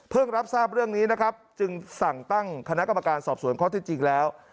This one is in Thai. รับทราบเรื่องนี้นะครับจึงสั่งตั้งคณะกรรมการสอบสวนข้อที่จริงแล้ว